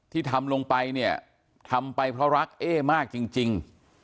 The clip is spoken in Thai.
ที่ทำลงไปเนี่ยทำไปเพราะรักเอ๊มากจริง